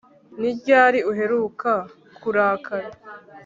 Ni ryari uheruka kurakara